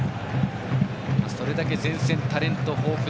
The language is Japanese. それだけ前線はタレント豊富。